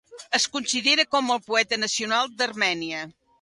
És considerat com el poeta nacional d'Armènia.